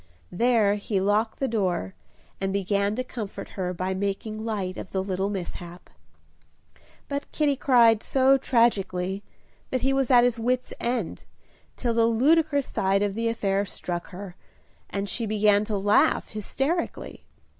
There he locked the door, and began to comfort her by making light of the little mishap. But Kitty cried so tragically, that he was at his wit's end, till the ludicrous side of the affair struck her, and she began to laugh hysterically.